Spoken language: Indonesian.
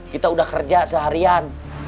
kita udah kerja seharian